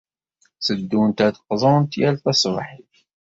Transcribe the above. Tteddunt ad d-qḍunt yal taṣebḥit.